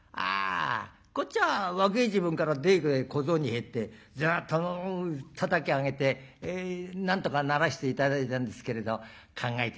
こっちは若え時分から大工へ小僧に入ってずっとたたき上げてなんとかならして頂いたんですけれど考えて